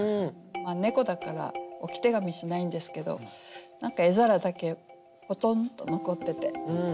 猫だから置手紙しないんですけど何か餌皿だけぽとんとのこってて。